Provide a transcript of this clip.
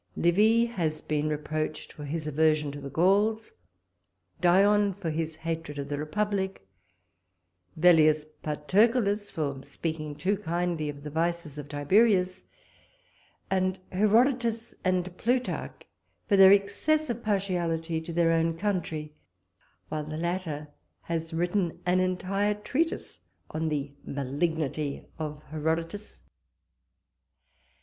Livy has been reproached for his aversion to the Gauls; Dion, for his hatred of the republic; Velleius Paterculus, for speaking too kindly of the vices of Tiberius; and Herodotus and Plutarch, for their excessive partiality to their own country: while the latter has written an entire treatise on the malignity of Herodotus.